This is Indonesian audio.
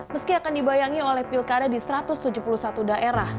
meski akan dibayangi oleh pilkada di satu ratus tujuh puluh satu daerah